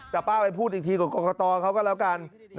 แต่ป้าไปพูดอีกทีกับกรกตเขาก็แล้วกัน